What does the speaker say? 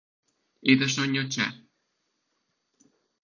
Édesanyja cseh.